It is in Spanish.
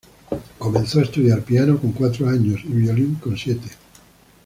Comenzó a estudiar piano con cuatro años, y violín con siete.